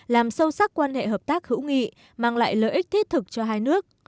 làm sâu sắc quan hệ hợp tác hữu nghị mang lại lợi ích thiết thực cho hai nước